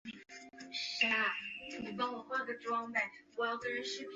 校报致力成为学生与信息的桥梁。